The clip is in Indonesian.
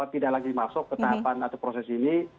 tidak lagi masuk ke tahapan atau proses ini